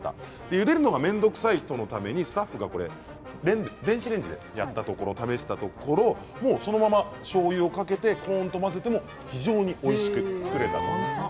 ゆでるのが面倒くさい人のためにスタッフが電子レンジで試したところそのまま、しょうゆをかけてコーンと混ぜても非常においしく作れたということです。